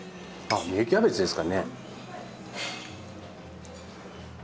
芽キャベツですかね？